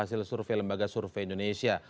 hasil survei lembaga survei indonesia